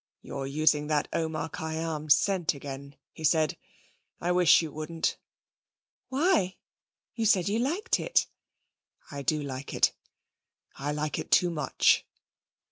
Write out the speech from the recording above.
'You're using that Omar Khayyám scent again,' he said. 'I wish you wouldn't.' 'Why? you said you liked it.' 'I do like it. I like it too much.'